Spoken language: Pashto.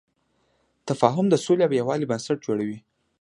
تفاهم د سولې او یووالي بنسټ جوړوي.